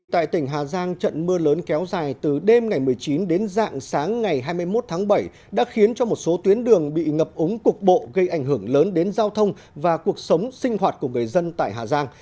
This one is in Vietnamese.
tại tỉnh hà giang trận mưa lớn kéo dài từ đêm ngày một mươi chín đến dạng sáng ngày hai mươi một tháng bảy đã khiến cho một số tuyến đường bị ngập ống cục bộ gây ảnh hưởng lớn đến giao thông và cuộc sống sinh hoạt của người dân tại hà giang